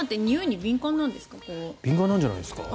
敏感なんじゃないですか？